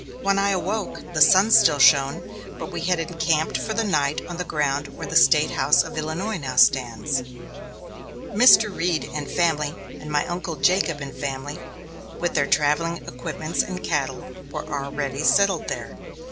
When I awoke, the sun still shone, but we had encamped for the night on the ground where the State House of Illinois now stands. Mr. Reed and family, and my uncle Jacob and family, with their travelling equipments and cattle, were already settled there.